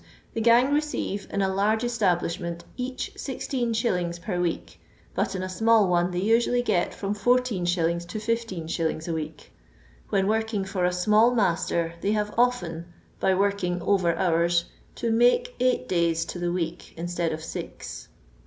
The gang receive in a large establishment Meh 16s. per week, but in a small one they usually Mt from lis. to 15i. a week. When working for a small master they have often, by working over hours, to "make eight days to the week instead of liz."